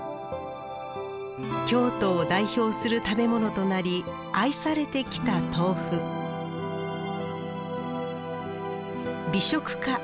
京都を代表する食べ物となり愛されてきた豆腐美食家